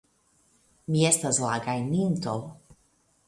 Mi estas la gajninto.